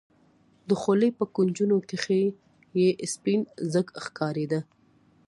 د خولې په کونجونو کښې يې سپين ځګ ښکارېده.